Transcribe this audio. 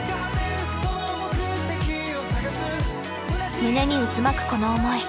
胸に渦巻くこの思い。